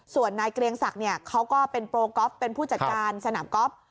ส่วนนายเกรียงศักดิ์เขาก็เป็นโปรกอล์ฟเป็นผู้จัดการสนามก๊อฟ